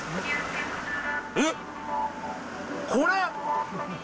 えっ、これ？